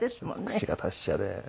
口が達者で。